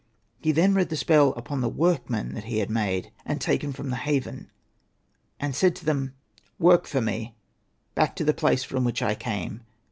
. He then read the spell upon the workmen that he had made, and taken from the haven, and said to them, ' Work for me, back to the place from which I came.'